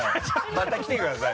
また来てください